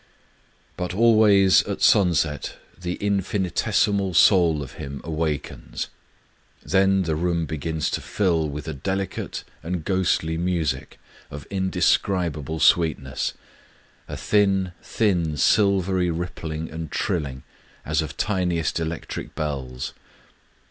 But always at sunset the infinitesimal soul of him awakens : then the room begins to fill with a deli cate and ghostly music of indescribable sweetness, — a thin, thin silvery rippling and trilling as of tiniest electric bells.